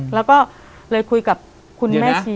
แล้วก็เลยคุยกับคุณแม่ชี